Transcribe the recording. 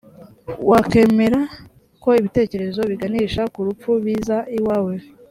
wakwemera ko ibitekerezo biganisha kurupfu biza iwawe